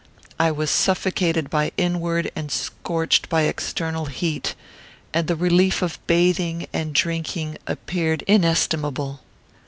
I was suffocated by inward and scorched by external heat; and the relief of bathing and drinking appeared inestimable.